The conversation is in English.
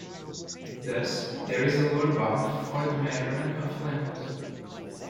Thus there is a lower bound for the measurement of length.